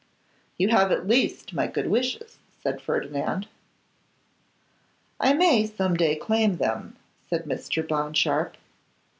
'You have at least my good wishes,' said Ferdinand. 'I may some day claim them,' said Mr. Bond Sharpe.